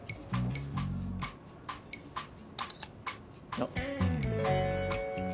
あっ。